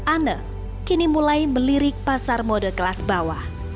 ana kini mulai melirik pasar model kelas bawah